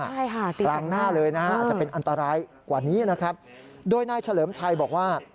ใช่ค่ะกลางหน้าเลยนะฮะอาจจะเป็นอันตรายกว่านี้นะครับโดยนายเฉลิมชัยบอกว่า